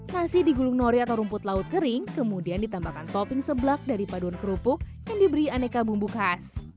nasi digulung nori atau rumput laut kering kemudian ditambahkan topping seblak dari paduan kerupuk yang diberi aneka bumbu khas